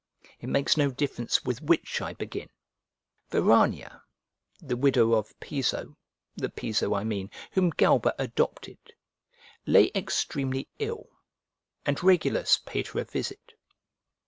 It makes no difference with which I begin. Verania, the widow of Piso, the Piso, I mean, whom Galba adopted, lay extremely ill, and Regulus paid her a visit.